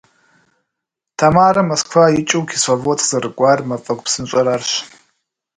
Тамарэ Москва икӏыу Кисловодск зэрыкӏуар мафӏэгу псынщӏэр арщ.